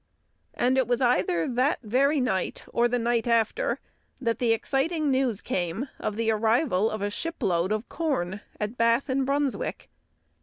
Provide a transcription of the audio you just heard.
And it was either that very night, or the night after, that the exciting news came of the arrival of a shipload of corn at Bath and Brunswick.